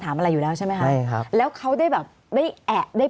อะไรอยู่แล้วใช่ไหมคะใช่ครับแล้วเขาได้แบบได้แอะได้